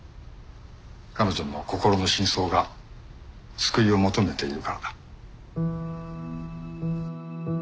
彼女の心の深層が救いを求めているからだ。